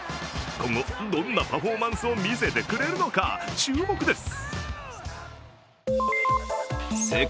今後、どんなパフォーマンスをみせてくれるのか、注目です。